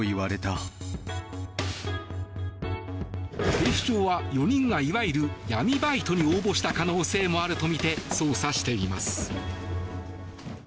警視庁は４人がいわゆる闇バイトに応募した可能性もあるとみて捜査しています。